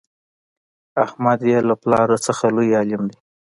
احمد یې له پلار نه لوی عالم دی.